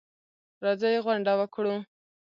راځئ غونډه وکړو.